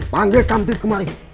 panggil kantin kemari